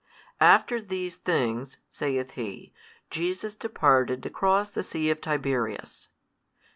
After these things (saith he) Jesus departed across the sea of Tiberias.